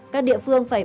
các địa phương phải